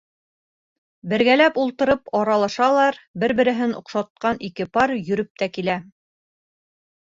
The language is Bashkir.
Бергәләп ултырып аралашалар, бер-береһен оҡшатҡан ике пар йөрөп тә килә.